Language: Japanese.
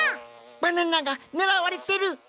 バナナがねらわれてる！